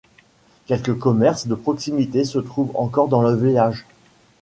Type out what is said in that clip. Quelques commerces de proximité se trouvent encore dans le village.